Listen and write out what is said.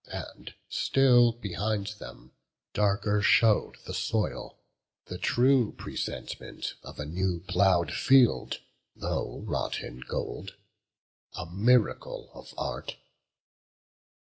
And still behind them darker show'd the soil, The true presentment of a new plough'd field, Though wrought in gold; a miracle of art.